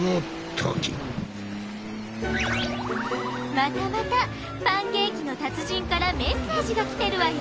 またまたパンケーキの達人からメッセージが来てるわよ。